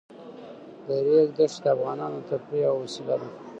د ریګ دښتې د افغانانو د تفریح یوه وسیله ده.